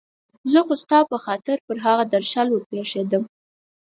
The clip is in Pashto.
زه خو ستا په خاطر پر هغه درشل ور پېښېدم.